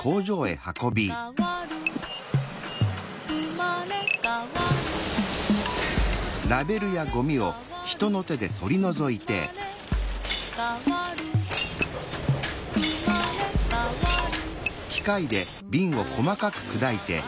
「うまれかわるうまれかわる」